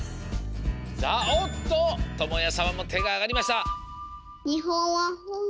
さあおっとともやさまもてがあがりました。